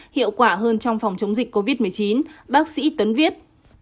hiệu quả hơn trong phòng chống dịch covid một mươi chín bác sĩ tuấn viết